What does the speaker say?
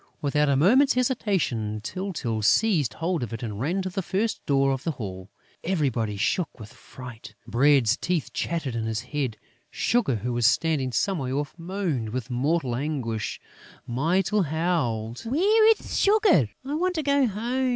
Without a moment's hesitation, Tyltyl seized hold of it and ran to the first door of the hall. Everybody shook with fright. Bread's teeth chattered in his head; Sugar, who was standing some way off, moaned with mortal anguish; Mytyl howled: "Where is Sugar?... I want to go home!"